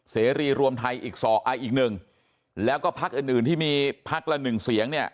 เสรีรวมไทยอีก๑แล้วก็ภักดิ์อื่นที่มีภักดิ์ละ๑เสียง